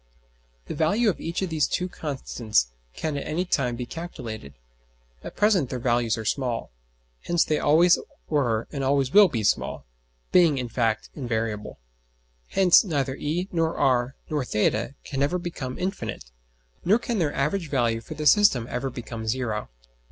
The value of each of these two constants can at any time be calculated. At present their values are small. Hence they always were and always will be small; being, in fact, invariable. Hence neither e nor r nor [theta] can ever become infinite, nor can their average value for the system ever become zero.